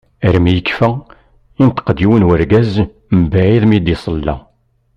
Armi yekfa, yenṭeq-d yiwen n urgaz mbeɛid mi d-iṣella.